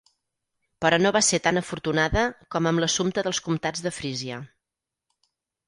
Però no va ser tan afortunada com amb l'assumpte dels comtats de Frísia.